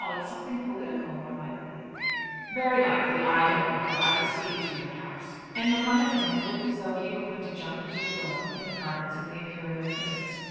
It's something political, more likely." "Very likely, I don't know, I will see you to your house." And Mahomet M. looked as though he were going to jump into the brougham in the garments of the imperial prince.